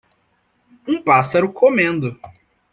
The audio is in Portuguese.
Um pássaro comendo.